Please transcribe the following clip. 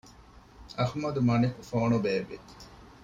އަޙްމަދު މަނިކު ފޯނު ބޭއްވި